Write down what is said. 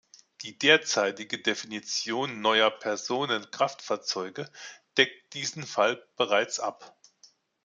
Die derzeitige Definition neuer Personenkraftfahrzeuge deckt diesen Fall bereits ab.